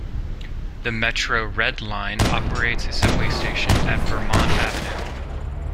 The Metro Red Line operates a subway station at Vermont Avenue.